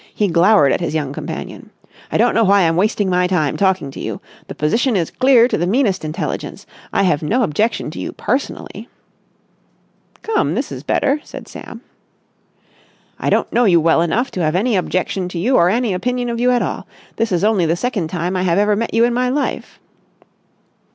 He glowered at his young companion. "I don't know why I'm wasting my time, talking to you. The position is clear to the meanest intelligence. I have no objection to you personally...." "Come, this is better!" said Sam. "I don't know you well enough to have any objection to you or any opinion of you at all. This is only the second time I have ever met you in my life."